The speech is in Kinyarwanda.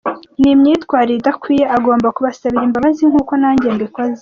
Ni imyitwarire idakwiye, agomba kubisabira imbabazi nk’uko nanjye mbikoze.